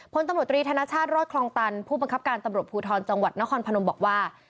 พลตำรวจตรีธนชาติรอดคลองตันผู้บังคับการตำรวจภูทรจังหวัดนครพนมบอกว่า